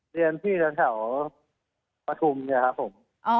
เรียนพี่แถวปฐุมเนี่ยครับผม